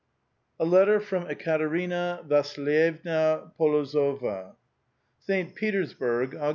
XVII. A LETTER FROM EKATERINA VASILYEVNA p6L0Z0VA. St. Petersburg, Aug.